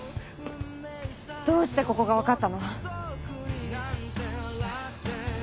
どうしてここが分かったの？